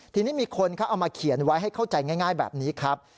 ทีนี้มีคนเขาเอามาเขียนไว้ให้เข้าใจง่ายแบบนี้ครับ